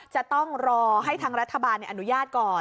จะต้องรอให้ทางรัฐบาลอนุญาตก่อน